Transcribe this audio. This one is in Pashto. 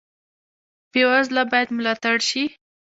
بې وزله باید ملاتړ شي